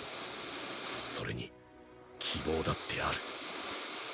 それに希望だってある